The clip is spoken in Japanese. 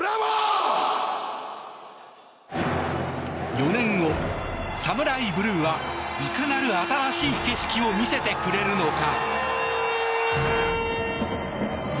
４年後ＳＡＭＵＲＡＩＢＬＵＥはいかなる新しい景色を見せてくれるのか。